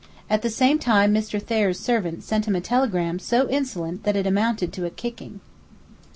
At the same time Mr. Thayer's servant sent him a telegram so insolent that it amounted to a kicking.